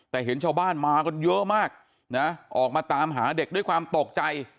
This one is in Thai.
แต่เห็นชาวบ้านมากันเยอะมากนะออกมาตามหาเด็กด้วยความตกใจ